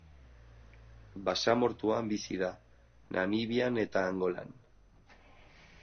Basamortuan bizi da, Namibian eta Angolan.